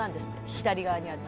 「左側にあるの」